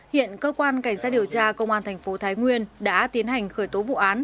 hiện cơ quan cảnh sát điều tra công an thành phố thái nguyên đã tiến hành khởi tố vụ án